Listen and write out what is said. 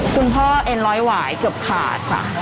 คุณพ่อเอ็นร้อยหวายเกือบขาดค่ะ